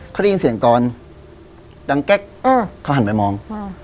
เขาได้ยินเสียงกรดังแก๊กเขาหันไปมอง